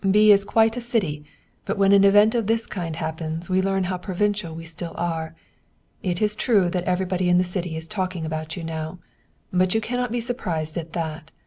" B. is quite a city, but when an event of this kind happens we learn how provincial we still are. It is true that everyone in the city is talking about you now, but you cannot be surprised at that.